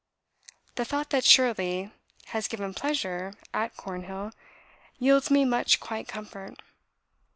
The thought that 'Shirley' has given pleasure at Cornhill, yields me much quiet comfort.